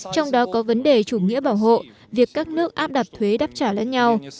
trong đó có vấn đề chủ nghĩa bảo hộ việc các nước áp đặt thuế đáp trả lẫn nhau